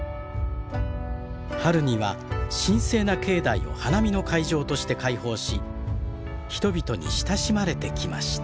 春には神聖な境内を花見の会場として開放し人々に親しまれてきました。